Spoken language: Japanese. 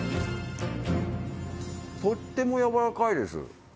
とってもやわらかいです